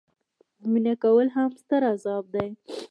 مینه کول هم ستر عذاب دي.